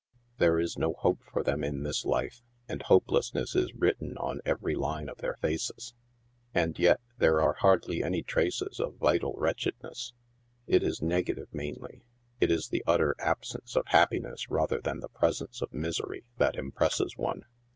There is no hope for them in this life, and hopelessness is written on every line of their faces. And. yet there are hardly any traces of vital wretchedness 5 it is negative mainly ; it is the utter absence of happiness rather than the pres ence of misery that impresses one.